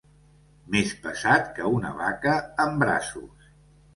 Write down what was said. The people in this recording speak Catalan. Més pesat que una vaca en braços.